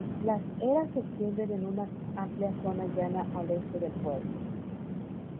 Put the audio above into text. Las eras se extienden en una amplia zona llana al este del pueblo.